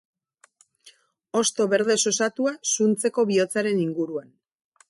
Hosto berdez osatua, zuntzeko bihotzaren inguruan.